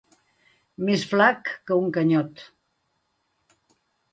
Més flac que un canyot.